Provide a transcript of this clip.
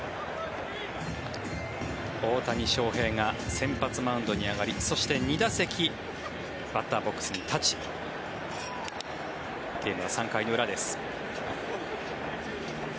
大谷翔平が先発マウンドに上がりそして、２打席バッターボックスに立ちゲームは３回の裏です。